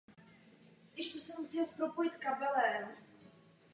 Následuje po čísle sedm set šedesát osm a předchází číslu sedm set sedmdesát.